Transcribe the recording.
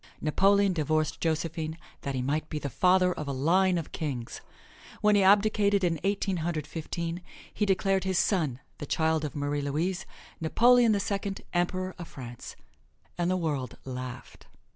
Napoleon divorced Josephine that he might be the father of a line of kings. When he abdicated in Eighteen Hundred Fifteen, he declared his son, the child of Marie Louise, "Napoleon the Second, Emperor of France," and the world laughed.